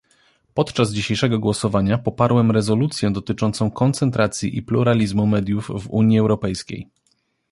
Podczas dzisiejszego głosowania poparłem rezolucję dotyczącą koncentracji i pluralizmu mediów w Unii Europejskiej